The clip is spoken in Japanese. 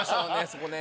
そこね。